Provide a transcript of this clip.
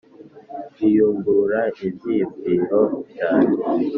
Biyungurura ibyiyunviro byanjye